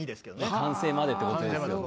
完成までってことですよね。